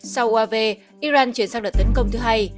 sau uav iran chuyển sang đợt tấn công thứ hai